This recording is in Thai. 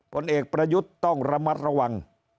ผลเอกประยุทธ์ต้องระมัดระวัง